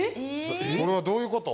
これはどういうこと？